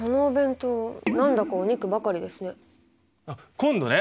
今度ね